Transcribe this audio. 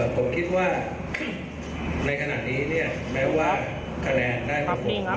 ผมคิดว่าในขณะนี้เนี่ยแม้ว่าคะแนนนะครับ